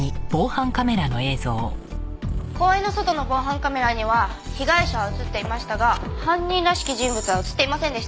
公園の外の防犯カメラには被害者は映っていましたが犯人らしき人物は映っていませんでした。